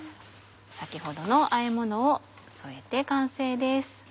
先ほどのあえものを添えて完成です。